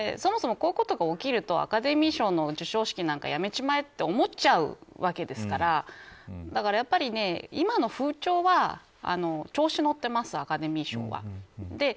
そもそもこういうことが起きるとアカデミー賞の授賞式なんてやめちまえと思っちゃうわけですからだから、やっぱり今の風潮は調子乗ってますアカデミー賞は。